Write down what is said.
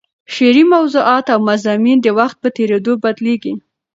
شعري موضوعات او مضامین د وخت په تېرېدو بدلېږي.